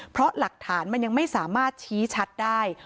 เพราะหลักฐานมันยังไม่สามารถชี้ชัดได้